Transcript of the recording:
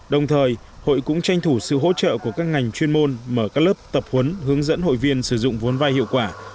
đồng thời hội cũng tranh thủ sự hỗ trợ của các ngành chuyên môn mở các lớp tập huấn hướng dẫn hội viên sử dụng vốn vai hiệu quả